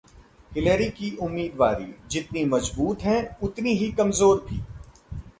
Hillary की उम्मीदवारी: जितनी मजबूत हैं उतनी ही कमजोर भी